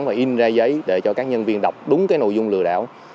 và in ra giấy để cho các nhân viên đọc đúng nội dung lừa đảo